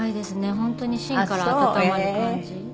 本当に芯から温まる感じ。